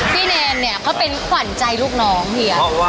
แนนเนี่ยเขาเป็นขวัญใจลูกน้องเฮีย